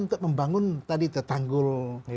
untuk membangun tadi tanggul